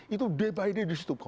itu day by day di situ